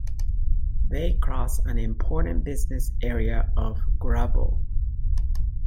They cross an important business area of Gurabo.